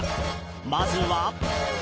まずは。